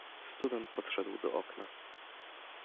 "Student podszedł do okna."